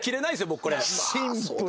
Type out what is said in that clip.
僕これ。